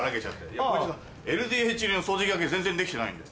いやこいつがＬＤＨ流の掃除機がけ全然できてないんで。